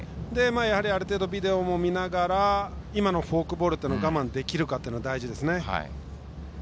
ある程度、ビデオも見ながら今のフォークボールが我慢できるかというのは大事ですね。